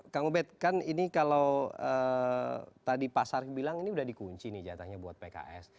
kang ubed kan ini kalau tadi pak sarif bilang ini udah dikunci nih jatahnya buat pks